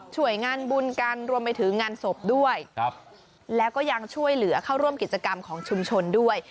ช่วยงานบุญกันรวมไปถึงงานศพด้วยครับแล้วก็ยังช่วยเหลือเข้าร่วมกิจกรรมของชุมชนด้วย